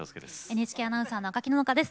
ＮＨＫアナウンサーの赤木野々花です。